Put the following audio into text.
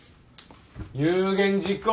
有言実行！